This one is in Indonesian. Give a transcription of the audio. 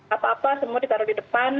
apa apa semua ditaruh di depan